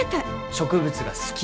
植物が好き